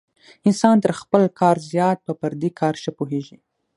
انسان تر خپل کار زیات په پردي کار ښه پوهېږي.